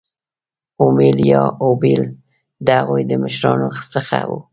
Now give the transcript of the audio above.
اومیل یا اوبل د هغوی له مشرانو څخه وو.